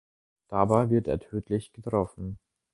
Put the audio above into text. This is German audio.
Dabei wird er tödlich getroffen.